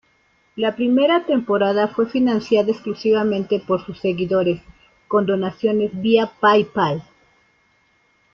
La primera temporada fue financiada exclusivamente por sus seguidores con donaciones vía PayPal.